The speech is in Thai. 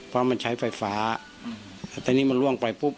เพราะมันใช้ไฟฟ้าแต่นี่มันล่วงไปปุ๊บ